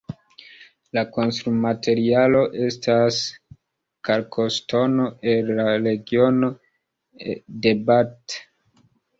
La konstrumaterialo estas kalkoŝtono el la regiono de Bath.